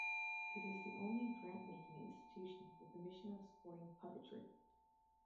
It is the only grantmaking institution with the mission of supporting puppetry.